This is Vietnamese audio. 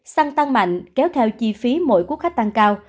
xăng tăng mạnh kéo theo chi phí mỗi quốc khách tăng cao